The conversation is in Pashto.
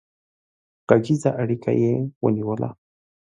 غږيزه اړيکه يې ونيوله